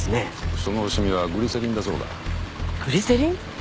そのシミはグリセリンだそうだグリセリン？